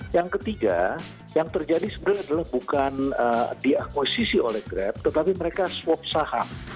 yang ketiga yang terjadi sebenarnya adalah bukan diakoisisi oleh grab tetapi mereka swap saham